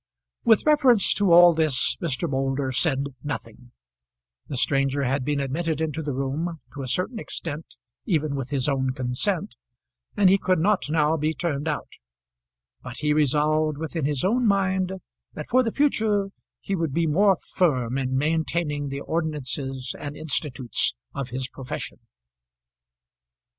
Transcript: With reference to all this Mr. Moulder said nothing; the stranger had been admitted into the room, to a certain extent even with his own consent, and he could not now be turned out; but he resolved within his own mind that for the future he would be more firm in maintaining the ordinances and institutes of his profession.